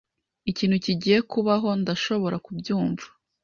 Ikintu kigiye kubaho. Ndashobora kubyumva.